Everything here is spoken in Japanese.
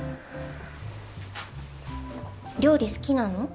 料理好きなの？